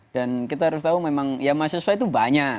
dan kita harus tahu memang mas yusuf itu banyak